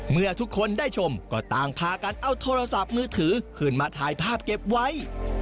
เมื่อทุกคนได้ชมก็ต่างพากันเอาโทรศัพท์มือถือขึ้นมาถ่ายภาพเก็บไว้